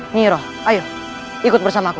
nyiroh ayo ikut bersama aku